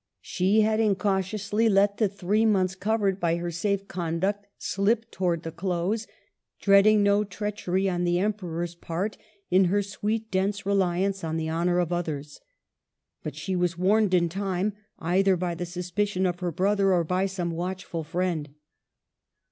She had incautiously let the three months cov ered by her safe conduct slip towards the close, dreading no treachery on the Emperor's part in her sweet, dense reliance on the honor of others. But she was warned in time, either by the sus picion of her brother or by some watchful friend.